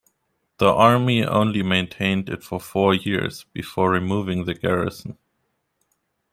The army only maintained it for four years before removing the garrison.